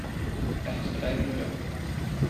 Er hatte drei Brüder.